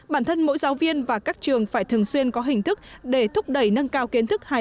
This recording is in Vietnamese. bản thân mỗi giáo viên và các trường phải thường xuyên có hình thức để thúc đẩy nâng cao kiến thức